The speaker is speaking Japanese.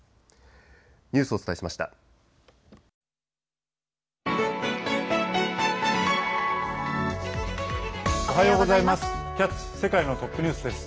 おはようございます。